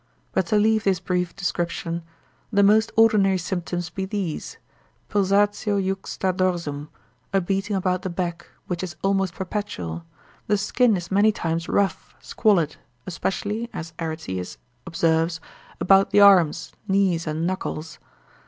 But to leave this brief description, the most ordinary symptoms be these, pulsatio juxta dorsum, a beating about the back, which is almost perpetual, the skin is many times rough, squalid, especially, as Areteus observes, about the arms, knees, and knuckles.